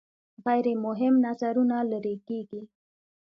غیر مهم نظرونه لرې کیږي.